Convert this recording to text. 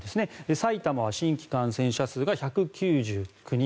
埼玉は新規感染者数が１９９人。